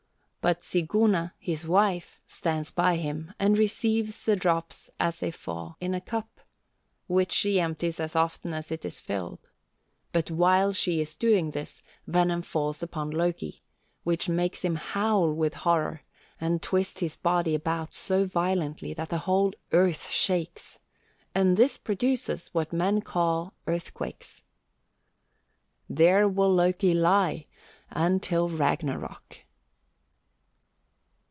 But Siguna, his wife, stands by him and receives the drops as they fall in a cup, which she empties as often as it is filled. But while she is doing this, venom falls upon Loki, which makes him howl with horror, and twist his body about so violently that the whole earth shakes, and this produces what men call earthquakes. There will Loki lie until Ragnarok."